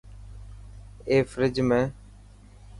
اي فريج ۾.